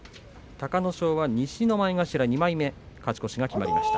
隆の勝は西の前頭２枚目勝ち越しが決まりました。